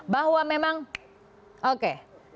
bahwa memang oke